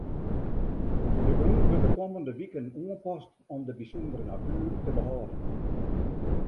De grûn wurdt de kommende wiken oanpast om de bysûndere natuer te behâlden.